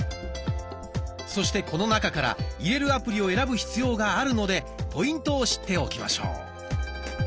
そしてこの中から入れるアプリを選ぶ必要があるのでポイントを知っておきましょう。